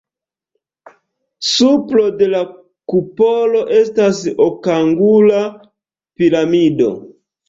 Supro de la kupolo estas okangula piramido.